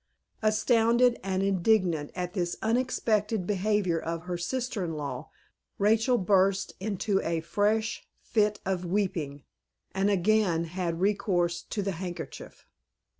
Astounded and indignant at this unexpected behavior of her sister in law, Rachel burst into a fresh fit of weeping, and again had recourse to the handkerchief.